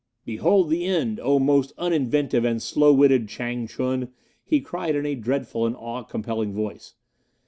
"Behold the end, O most uninventive and slow witted Chang ch'un!" he cried in a dreadful and awe compelling voice.